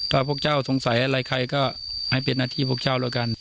ถ้าพวกเจ้าสงสัยอะไรใครก็ให้เป็นหน้าที่พวกเจ้าแล้วกัน